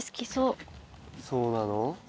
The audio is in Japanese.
そうなの？